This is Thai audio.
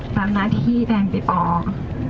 ตามหน้าที่แดงพี่ปอล์